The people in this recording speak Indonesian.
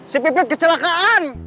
si pipit kecelakaan